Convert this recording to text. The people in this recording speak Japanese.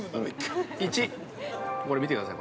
１、これ見てください。